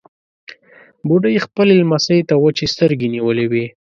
بوډۍ خپلې لمسۍ ته وچې سترګې نيولې وې.